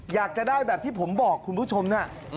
อยากจะได้แบบที่ผมบอกคุณผู้ชมนะ